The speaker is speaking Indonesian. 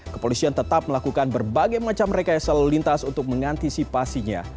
kepolisian tetap melakukan berbagai macam rekayasa lalu lintas untuk mengantisipasinya